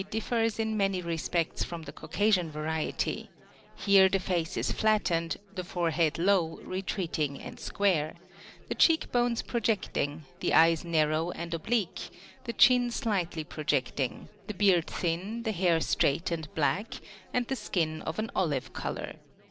2.) differs in many respects from the Caucasian variety ; here the face is flattened ; the forehead low, retreating and square ; the cheek bones project ing ; the eyes narrow and oblique ; the chin slightly projecting ; the beard thin, the hair straight and black, and the skin of an olive color.